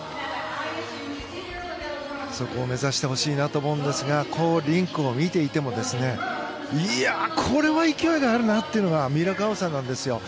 そこを目指してほしいと思うんですがこうリンクを見ていてもこれは勢いがあるなというのが三浦佳生さんなんですよ。